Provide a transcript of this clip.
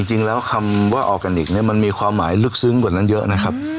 จริงแล้วคำว่าออร์แกนิคเนี่ยมันมีความหมายลึกซึ้งกว่านั้นเยอะนะครับ